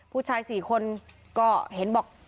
ผู้ชาย๔คนก็เห็นบอก